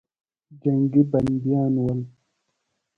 جنګي بندیان ول.